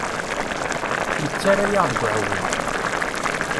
Yettarra-yaɣ deg uɛewwiq.